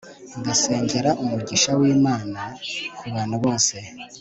ndasengera umugisha w'imana kubantu bose